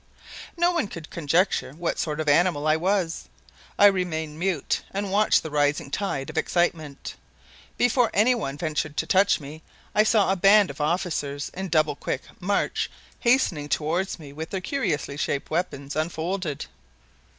No one could conjecture what sort of an animal I was. I remained mute and watched the rising tide of excitement. Before anyone could venture to touch me, I saw a band of officers in double quick march hastening toward me with their curiously shaped weapons unfolded.